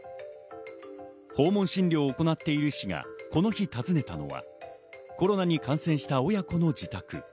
訪問診療を行っている医師がこの日訪ねたのはコロナに感染した親子の自宅。